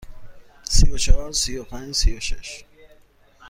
سی و چهار، سی و پنج، سی و شش.